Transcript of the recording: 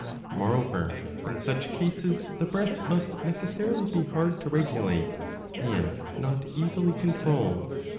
Moreover, in such cases the breath must neces sarily be hard to regulate and not easily controlled.